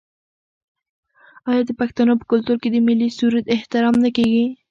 آیا د پښتنو په کلتور کې د ملي سرود احترام نه کیږي؟